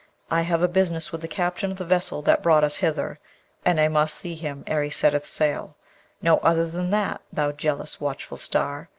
I have a business with the captain of the vessel that brought us hither, and I must see him ere he setteth sail; no other than that, thou jealous, watchful star!